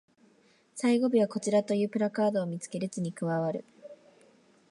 最後尾はこちらというプラカードを見つけ列に加わる